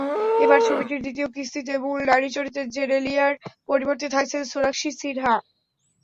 এবার ছবিটির দ্বিতীয় কিস্তিতে, মূল নারী চরিত্রে জেনেলিয়ার পরিবর্তে থাকছেন সোনাক্ষী সিনহা।